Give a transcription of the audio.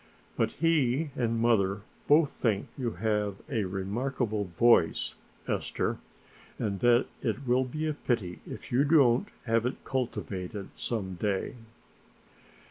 But he and mother both think you have a remarkable voice, Esther, and that it will be a pity if you don't have it cultivated some day."